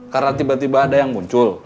karena tiba tiba ada yang muncul